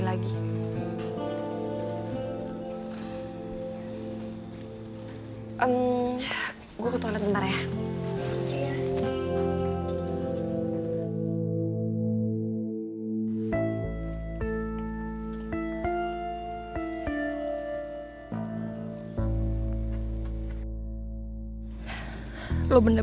dan gue juga gak akan pernah